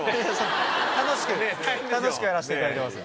楽しく楽しくやらせていただいてます。